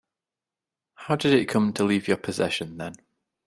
How did it come to leave your possession then?